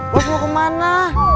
bos mau kemana